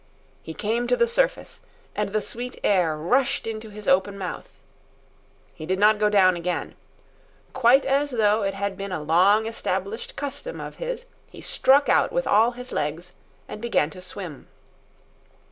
He came to the surface, and the sweet air rushed into his open mouth. He did not go down again. Quite as though it had been a long established custom of his he struck out with all his legs and began to swim.